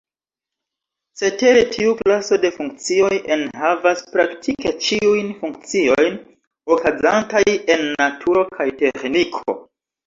Cetere tiu klaso de funkcioj enhavas praktike ĉiujn funkciojn okazantaj en naturo kaj teĥniko.